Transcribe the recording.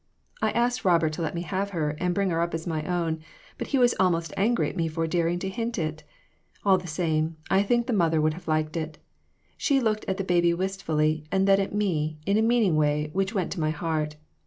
I asked Robert to let me have her, and bring her up as my own, but he was almost angry at me for daring to hint it. All the same, I think the mother would have liked it. She looked at the baby wistfully, and then at me in a meaning way which went to my heart.